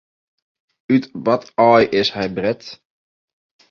Ut wat aai is hy bret?